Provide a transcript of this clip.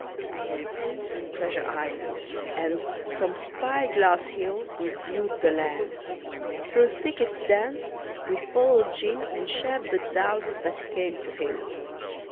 We're deep in Treasure Island, and From Spy Glass Hill we've viewed the land; Through thickets dense we've followed Jim And shared the doubts that came to him.